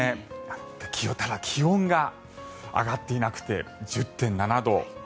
ただ、気温が上がっていなくて１０．７度。